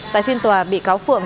tại phiên tòa bị cáo phượng